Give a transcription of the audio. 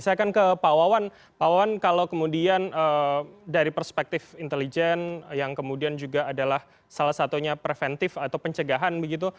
pak wawan kalau kemudian dari perspektif intelijen yang kemudian juga adalah salah satunya preventif atau pencegahan begitu